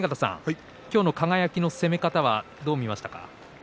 今日の輝の攻め方はどう見ましたか？